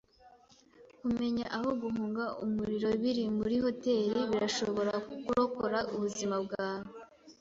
Kumenya aho guhunga umuriro biri muri hoteri birashobora kurokora ubuzima bwawe.